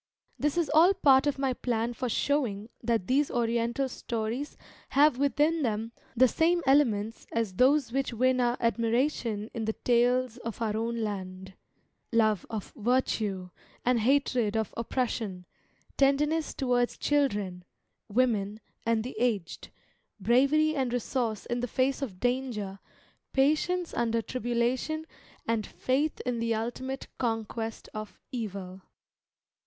This is all part of my plan for showing that these Oriental stories have within them the same elements as those which win our admiration in the tales of our own land love of virtue and hatred of oppression, tenderness towards children, women, and the aged, bravery and resource in the face of danger, patience under tribulation, and faith in the ultimate conquest of evil.